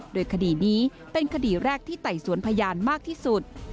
โดยคดีนี้เป็นคดีแรกที่ไต่สวนพยานมากที่สุด